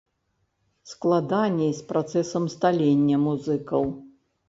Складаней з працэсам сталення музыкаў.